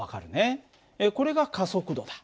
これが加速度だ。